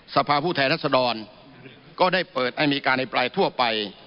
สภาพผู้แทนรัฐสดรก็ได้เปิดอเมริกาในปลายทั่วไป